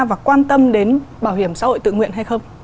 và quan tâm đến bảo hiểm xã hội tự nguyện hay không